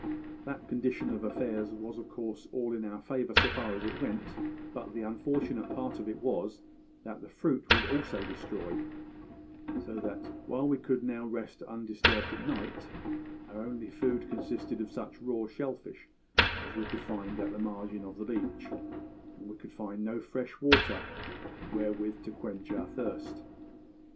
That condition of affairs was of course all in our favour, so far as it went; but the unfortunate part of it was that the fruit was also destroyed; so that, while we could now rest undisturbed at night, our only food consisted of such raw shell fish as we could find at the margin of the beach; and we could find no fresh water wherewith to quench our thirst.